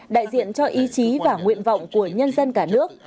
đại diện cho ý chí và nguyện vọng của nhân dân cả nước